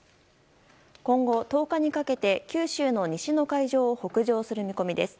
今後１０日にかけて九州の西の海上を北上する見込みです。